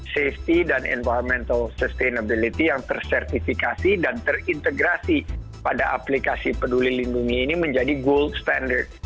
safety dan environmental sustainability yang tersertifikasi dan terintegrasi pada aplikasi peduli lindungi ini menjadi gold standard